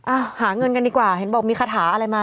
หาเงินกันดีกว่าเห็นบอกมีคาถาอะไรมา